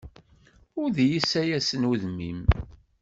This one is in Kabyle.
Ur d iyi-ssayasen udem-im.